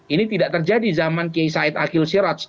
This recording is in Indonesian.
ini tidak terjadi zaman kiai said akil siraj